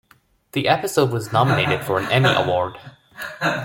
The episode was nominated for an Emmy Award.